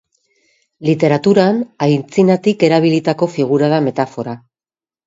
Literaturan antzinatik erabilitako figura da metafora.